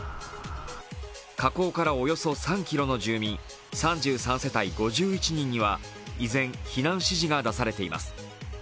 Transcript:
火口からおよそ３ｋｍの住民３３世帯５１人には依然、避難指示が出されています。